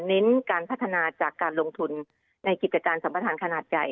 เน้นการพัฒนาจากการลงทุนในกิจการสัมประธานขนาดใหญ่